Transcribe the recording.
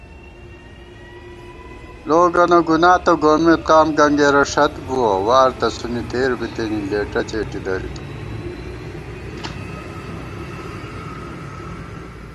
لوگَنہ گُنا تہ گومېت قم گنگېرہ ݭت بُوَہ * وار تسُونی تېر بِتِنی لېٹہ څېٹی دَرِتہ